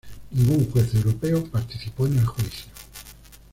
Ningún juez europeo participó en el juicio.